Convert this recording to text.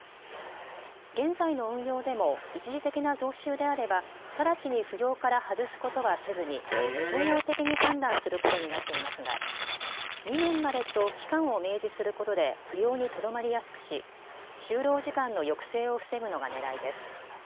現在の運用でも一時的な増収であれば直ちに扶養から外すことはせずに総合的に判断することになっていますが２年までと期間を明示することで扶養にとどまりやすくし終了時間の抑制を防ぐのがねらいです。